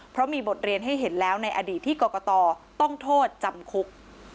เพราะมีบทเรียนให้เห็นแล้วในอดีตที่กรกตต้องโทษจำคุก